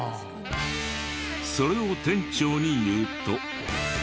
それを店長に言うと。